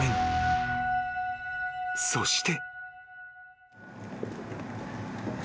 ［そして］